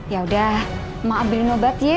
ya udah mau ambilin obat ya